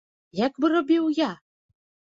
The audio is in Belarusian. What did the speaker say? Як бы рабіў я?